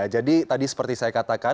jadi tadi seperti saya katakan